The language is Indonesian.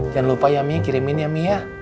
jangan lupa ya mi kirimin ya mi ya